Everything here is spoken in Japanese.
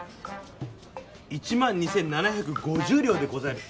１万２７５０両でござる。